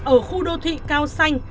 ở khu đô thị cao xanh